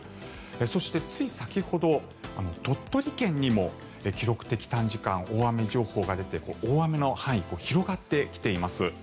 そして、つい先ほど鳥取県にも記録的短時間大雨情報が出て大雨の範囲が広がってきています。